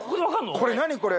これ何これ。